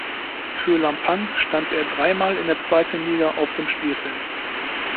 Für Lampang stand er dreimal in der zweiten Liga auf dem Spielfeld.